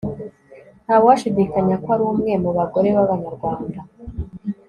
ntawashidikanya ko ari umwe mu bagore b'abanyarwanda